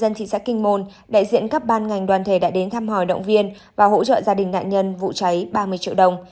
dân thị xã kinh môn đại diện các ban ngành đoàn thể đã đến thăm hỏi động viên và hỗ trợ gia đình nạn nhân vụ cháy ba mươi triệu đồng